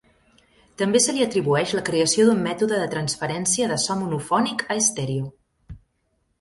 També se li atribueix la creació d'un mètode de transferència de so monofònic a estèreo.